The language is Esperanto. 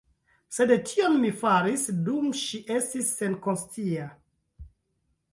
Sed tion mi faris, dum ŝi estis senkonscia.